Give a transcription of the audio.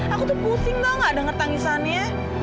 aku tuh pusing dong gak denger tangisannya